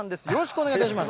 お願いいたします。